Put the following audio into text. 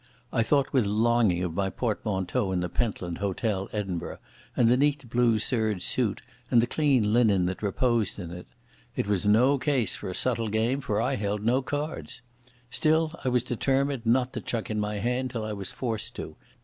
I thought with longing of my portmanteau in the Pentland Hotel, Edinburgh, and the neat blue serge suit and the clean linen that reposed in it. It was no case for a subtle game, for I held no cards. Still I was determined not to chuck in my hand till I was forced to.